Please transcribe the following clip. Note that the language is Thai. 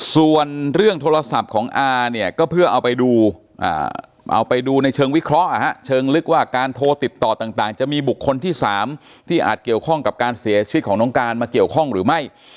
ส่วนเรื่องโทรศัพท์ของอาเนี่ยก็เพื่อเอาไปดูเอาไปดูในเชิงวิเคราะห์เชิงลึกว่าการโทรติดต่อต่างจะมีบุคคลที่๓ที่อาจเกี่ยวข้องกับการเสียชีวิตของน้องการมาเกี่ยวข้องหรือไม่